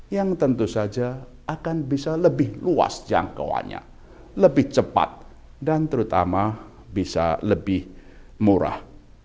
yang tentu saja akan bisa lebih luas jangkauannya lebih cepat dan terutama bisa lebih murah